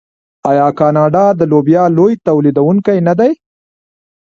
آیا کاناډا د لوبیا لوی تولیدونکی نه دی؟